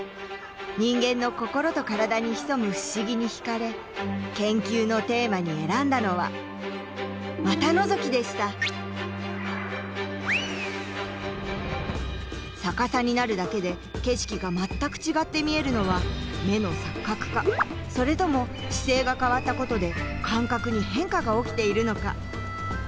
人間の心と体に潜む不思議に引かれ研究のテーマに選んだのは「股のぞき」でした逆さになるだけで景色が全く違って見えるのは目の錯覚かそれとも姿勢が変わったことで感覚に変化が起きているのか？